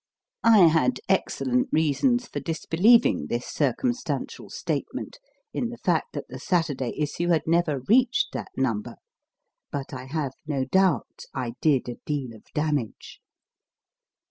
I had excellent reasons for disbelieving circumstantial statement in the fact that the Saturday issue had never reached that number, but I have no doubt. I did a deal of damage.